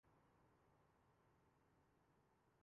Stage one cancer کی تشخیص ہوئی ہے۔